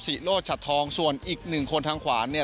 โลชัดทองส่วนอีกหนึ่งคนทางขวานเนี่ย